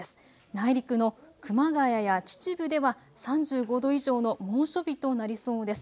内陸の熊谷や秩父では３５度以上の猛暑日となりそうです。